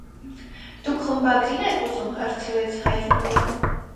- Դուք խմբագրի՞ն եք ուզում,- հարցրեց Հայրումյանը: